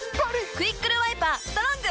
「クイックルワイパーストロング」！